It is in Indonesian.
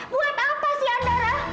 buat apa sih andara